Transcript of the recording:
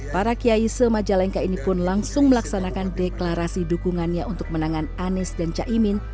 para kiai semajalengka ini pun langsung melaksanakan deklarasi dukungannya untuk menangan anies dan caimin